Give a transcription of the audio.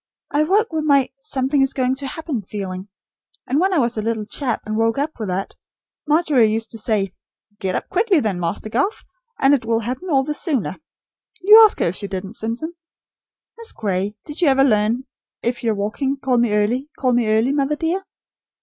I woke with my something is going to happen feeling; and when I was a little chap and woke with that, Margery used to say: 'Get up quickly then, Master Garth, and it will happen all the sooner.' You ask her if she didn't, Simpson. Miss Gray, did you ever learn: 'If you're waking call me early, call me early, mother dear'?